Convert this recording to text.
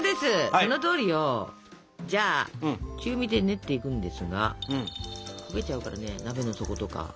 そのとおりよ！じゃあ中火で練っていくんですが焦げちゃうからね鍋の底とか。